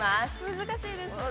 ◆難しいです。